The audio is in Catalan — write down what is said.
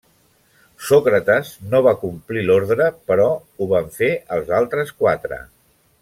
Sòcrates no va complir l'ordre però ho van fer els altres quatre.